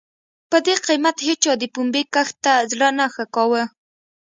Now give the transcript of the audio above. په دې قېمت هېچا د پنبې کښت ته زړه نه ښه کاوه.